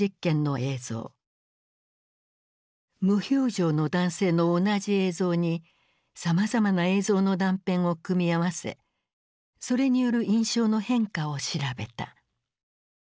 無表情の男性の同じ映像にさまざまな映像の断片を組み合わせそれによる印象の変化を調べた。